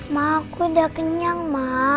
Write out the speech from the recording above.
ma aku udah kenyang ma